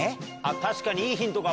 確かにいいヒントかも。